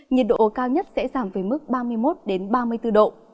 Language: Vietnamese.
nhiệt độ cao nhất sẽ giảm về mức ba mươi một ba mươi bốn độ